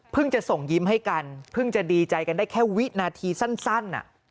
จะส่งยิ้มให้กันเพิ่งจะดีใจกันได้แค่วินาทีสั้น